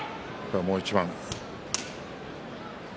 もう一番。